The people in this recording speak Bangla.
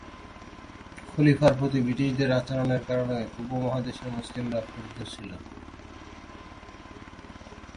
খলিফার প্রতি ব্রিটিশদের আচরণের কারণে উপমহাদেশের মুসলিমরা ক্ষুব্ধ ছিল।